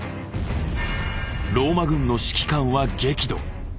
ローマ軍の指揮官は激怒。